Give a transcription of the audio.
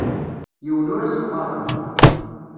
Yiwen ur as-ɣɣareɣ.